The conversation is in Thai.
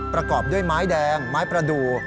ประกอบด้วยไม้แดงไม้ประดูก